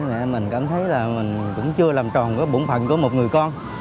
mẹ mình cảm thấy là mình cũng chưa làm tròn cái bổn phận của một người con